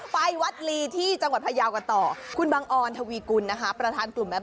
ไปวัดลีที่จังหวัดพยาวก็ต่อ